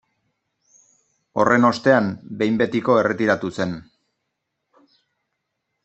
Horren ostean, behin betiko erretiratu zen.